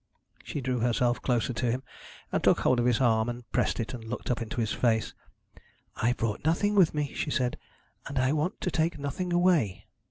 She drew herself closer to him and took hold of his arm and pressed it, and looked up into his face. 'I brought nothing with me,' she said, 'and I want to take nothing away.'